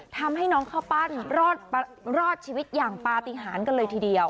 ทำให้น้องข้าวปั้นรอดชีวิตอย่างปาติหารกันเลยทีเดียว